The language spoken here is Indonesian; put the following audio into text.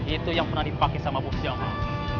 itu yang pernah dipakai sama bos jamal